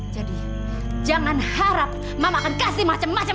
jadi jangan harap mama akan kasih macam macam